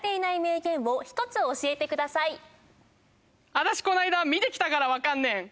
私この間見てきたからわかんねん。